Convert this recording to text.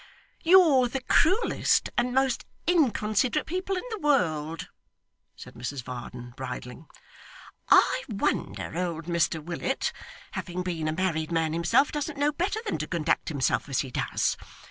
'You're the cruellest and most inconsiderate people in the world,' said Mrs Varden, bridling. 'I wonder old Mr Willet, having been a married man himself, doesn't know better than to conduct himself as he does.